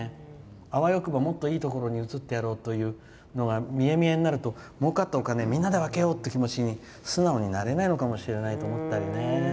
あわよくばもっといいところに移ってやろうというのが見え見えになるともうかったお金をみんなで分けよう！って気持ちに素直になれないのかもしれないと思ったりね。